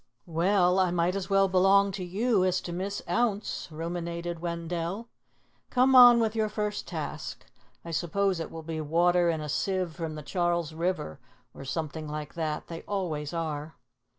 "Well, I might as well belong to you as to Miss Ounce," ruminated Wendell. "Come on with your first task. I suppose it will be water in a sieve from the Charles River or something like that. They always are."